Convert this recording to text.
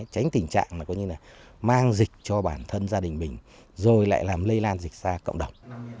tránh tình trạng mà có như là mang dịch cho bản thân gia đình mình rồi lại làm lây lan dịch ra cộng đồng